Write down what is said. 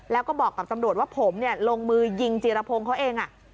แล้วก็บอกกับตำรวจว่าผมลงมือยิงจีรพงศ์เขาเอง